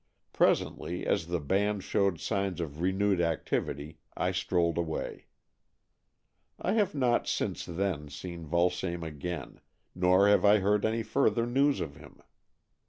Presently, as the band showed signs of renewed activity, I strolled away. I have not since then seen Vulsame again, nor have I heard any further news of him.